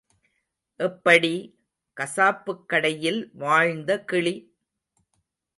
எப்படி—கசாப்புக் கடையில் வாழ்ந்த கிளி?